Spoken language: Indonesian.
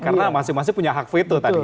karena masing masing punya hak fitur tadi gitu ya